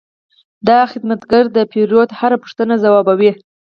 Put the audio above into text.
دا خدمتګر د پیرود هره پوښتنه ځوابوي.